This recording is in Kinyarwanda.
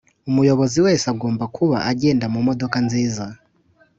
Umuyobozi wese agomba kuba agenda mumodoka nzinza